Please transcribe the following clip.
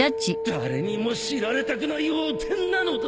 誰にも知られたくない汚点なのだ。